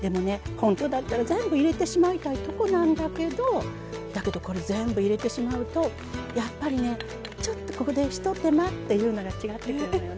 ほんとだったら全部入れてしまいたいとこなんだけどだけどこれ全部入れてしまうとやっぱりねちょっとここでひと手間っていうのが違ってくるのよね。